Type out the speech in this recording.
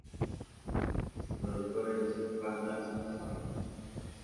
Su productor es Randall Salazar.